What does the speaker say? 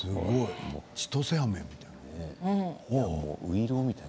ちとせあめみたい。